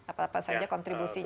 apa saja kontribusinya